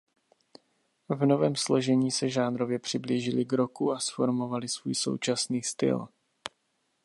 V novém složení se žánrově přiblížili k rocku a zformovali svůj současný styl.